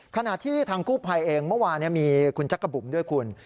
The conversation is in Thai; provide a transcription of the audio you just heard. ขณะที่ทางกู้ภัยเองเมื่อวานมีคุณจักรบุ๋มด้วยคุณ